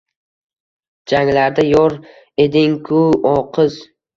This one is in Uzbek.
Janglarda yor eding-ku, o, qiz!